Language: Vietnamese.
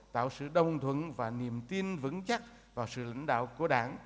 tạo sự đồng thuận và niềm tin vững chắc vào sự lãnh đạo của đảng